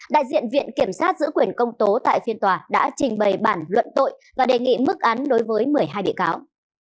đại diện viện kiểm sát giữ quyền công tố tại phiên tòa đã trình bày bản luận tội và đề nghị mức án đối với một mươi hai bị cáo